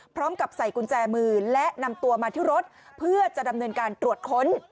พร้อมกับใส่กุญแจมือและนำตัวมาที่รถเพื่อจะดำเนินการตรวจค้น